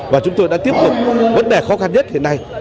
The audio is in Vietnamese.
và chúng tôi đã tiếp tục vấn đề khó khăn nhất hiện nay